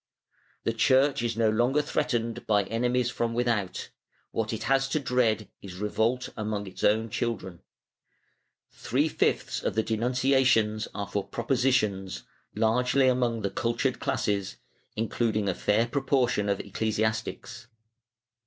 The Church is no longer threatened by enemies from without; what it has to dread is revolt among its own children. Three fifths of the denunciations are for ''propositions," largely among the cultured classes, including a fair proportion of ecclesiastics.